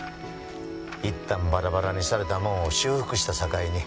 いったんバラバラにされたもんを修復したさかいに。